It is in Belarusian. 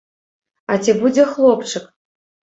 А ці будзе хлопчык?